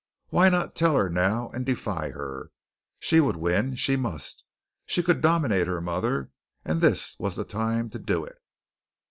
Why not tell her now and defy her. She would win. She must. She could dominate her mother, and this was the time to do it.